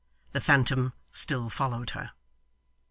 The phantom still followed her.